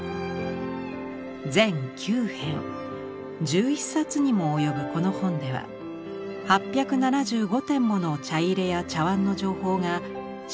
全９編１１冊にも及ぶこの本では８７５点もの茶入や茶碗の情報が詳細に記されています。